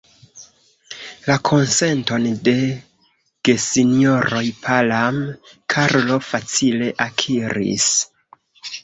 La konsenton de gesinjoroj Palam, Karlo facile akiris.